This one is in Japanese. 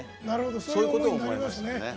そういうことを思いましたね。